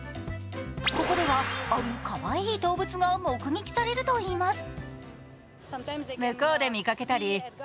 ここでは、あるかわいい動物が目撃されるといいます。